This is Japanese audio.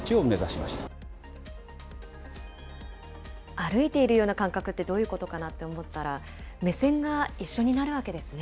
歩いているような感覚って、どういうことかなと思ったら、目線が一緒になるわけですね。